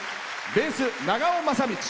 ベース、長尾雅道。